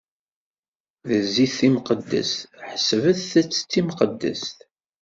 D zzit timqeddest, ḥesbet-tt d timqeddest.